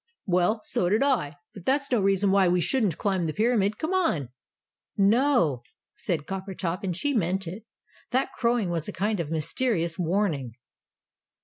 "Well, so did I; but that's no reason why we shouldn't climb the Pyramid. Come on!" "No," said Coppertop, and she meant it. "That crowing was a kind of mysterious warning!"